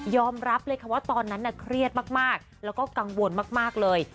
รับเลยค่ะว่าตอนนั้นน่ะเครียดมากแล้วก็กังวลมากเลย